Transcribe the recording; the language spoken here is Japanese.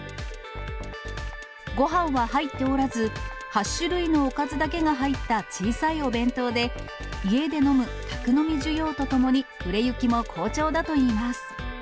ごはんは入っておらず、８種類のおかずだけが入った小さいお弁当で、家で飲む宅飲み需要とともに、売れ行きも好調だといいます。